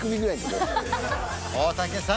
大竹さん